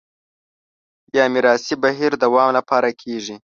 یا میراثي بهیر دوام لپاره کېږي